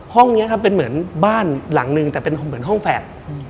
ห้องนี้ครับเป็นเหมือนบ้านหลังนึงแต่เป็นเหมือนห้องแฝด